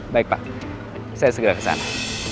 baik pak saya segera kesana